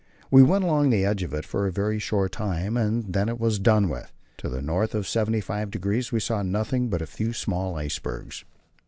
We went along the edge of it for a very short time, and then it was done with. To the north of 75° we saw nothing but a few small icebergs.